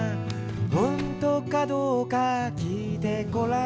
「ほんとかどうかきいてごらん」